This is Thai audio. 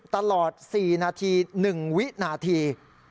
ตลอด๔นาที๑วินาที